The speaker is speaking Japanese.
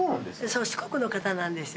そう四国の方なんですよ。